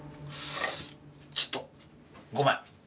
ちょっとごめん。